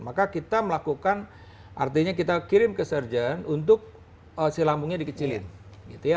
maka kita melakukan artinya kita kirim ke surger untuk si lambungnya dikecilin gitu ya